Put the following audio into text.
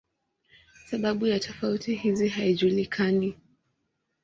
Sababu ya tofauti hizi haijulikani.